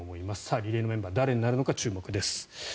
リレーメンバー誰になるのか注目です。